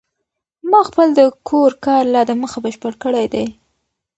ما خپل د کور کار لا د مخه بشپړ کړی دی.